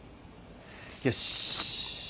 よし。